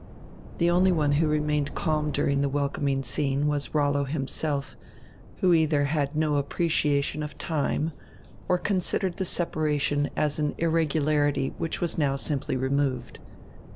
The only one who remained calm during the welcoming scene was Rollo himself, who either had no appreciation of time or considered the separation as an irregularity which was now simply removed.